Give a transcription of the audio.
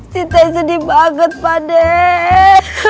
sita yang sedih banget pak deh